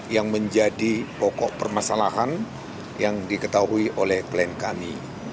yang menjadi pokok permasalahan yang diketahui oleh klien kami